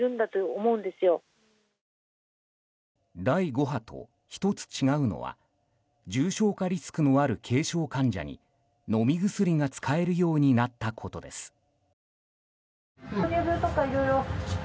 第５波と１つ違うのは重症化リスクのある軽症患者に飲み薬が使えるようになったことです。